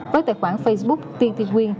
với tài khoản facebook ttq